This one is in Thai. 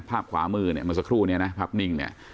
ภาพขวามือเนี่ยเมื่อสักครู่เนี่ยนะภาพนิ่งเนี่ย